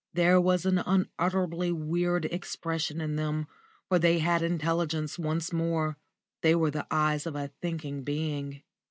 There was an unutterably weird expression in them, for they had intelligence once more; they were the eyes of a thinking being.